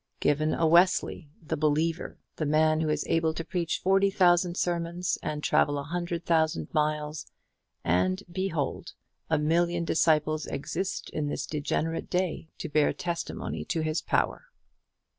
Given a Wesley, the believer, the man who is able to preach forty thousand sermons and travel a hundred thousand miles, and, behold, a million disciples exist in this degenerate day to bear testimony to his power.